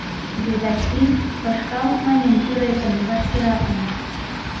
— Ведаси, кышкал, маньым, пӱретым вашкеракын.